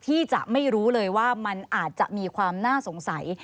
ที่จะไม่รู้เลยว่ามันอาจจะมีความน่าสงสัย